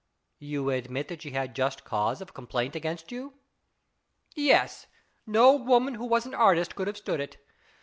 " You admit that she had just cause of complaint against you ?"" Yes ; no woman who was an artist could have stood it.